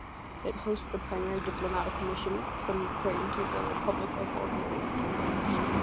It is hosts the primary diplomatic mission from Ukraine to the Republic of Bulgaria.